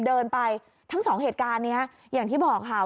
เดินไปทั้งสองเหตุการณ์เนี้ยอย่างที่บอกค่ะ